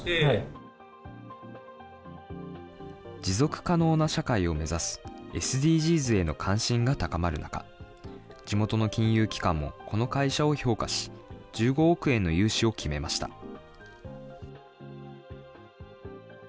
持続可能な社会を目指すＳＤＧｓへの関心が高まる中、地元の金融機関もこの会社を評価し、１５億円の融資を決めました。